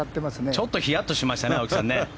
ちょっとヒヤッとしましたね、青木さん。